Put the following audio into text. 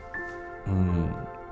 うん。